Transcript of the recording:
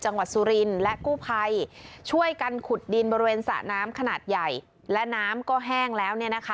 สุรินและกู้ภัยช่วยกันขุดดินบริเวณสระน้ำขนาดใหญ่และน้ำก็แห้งแล้ว